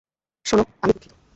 শোনো, আমি দুঃখিত।